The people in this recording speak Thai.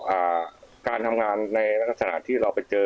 อ่าการทำงานในลักษณะที่เราไปเจอ